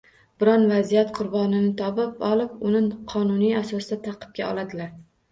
Biron vaziyat qurbonini topib olib, uni “qonuniy” asosda ta’qibga oladilar!